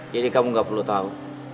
jadi kamu nggak perlu tahu